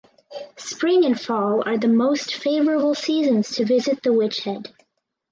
Spring and fall are the most favorable seasons to visit The Witch Head.